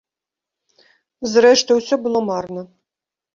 Зрэшты, усё было марна.